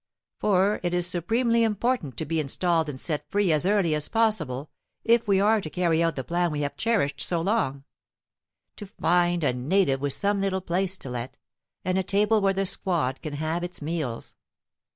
For it is supremely important to be installed and set free as early as possible if we are to carry out the plan we have cherished so long to find a native with some little place to let, and a table where the squad can have its meals.